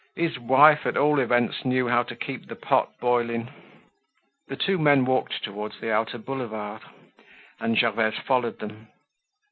His wife, at all events, knew how to keep the pot boiling! The two men walked towards the outer Boulevard, and Gervaise followed them.